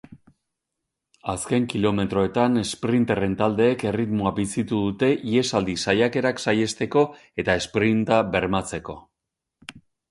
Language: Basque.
Azken kilometroetan esprinterren taldeek erritmoa bizitu dute ihesaldi saiakerak saihesteko eta esprinta bermatzeko.